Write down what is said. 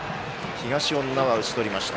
東恩納は打ち取りました。